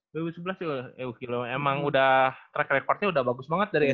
dua ribu sebelas juga eh wukil emang udah track record nya udah bagus banget dari sma ya